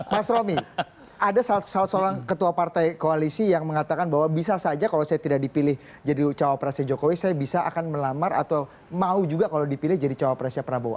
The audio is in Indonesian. mas romi ada salah seorang ketua partai koalisi yang mengatakan bahwa bisa saja kalau saya tidak dipilih jadi cawapresnya jokowi saya bisa akan melamar atau mau juga kalau dipilih jadi cawapresnya prabowo